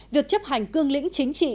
việc chấp hành cương lĩnh chính trị